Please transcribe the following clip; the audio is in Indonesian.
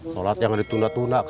shalatnya nggak ditunda tunda kak